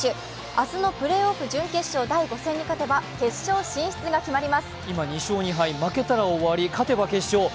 明日のプレーオフ準決勝第５戦に勝てば今、２勝２敗、負けたら終わり、勝てば決勝。